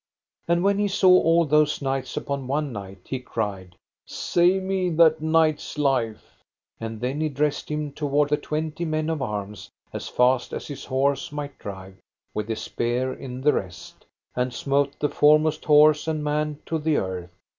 And when he saw all those knights upon one knight he cried: Save me that knight's life. And then he dressed him toward the twenty men of arms as fast as his horse might drive, with his spear in the rest, and smote the foremost horse and man to the earth.